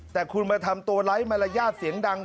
แต่คุณมาทำตัวไร้มารยาทเสียงดัง